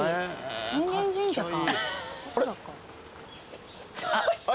浅間神社か。